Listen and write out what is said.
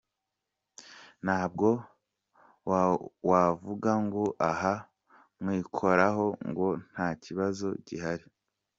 Ntabwo wavuga ngo aha mwikoraho, ngo nta kibazo gihari.”